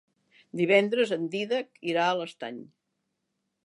Divendres en Dídac irà a l'Estany.